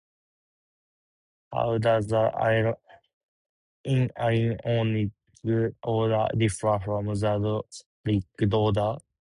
How does the Ionic order differ from the Doric order?